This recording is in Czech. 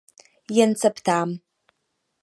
Jen se ptám.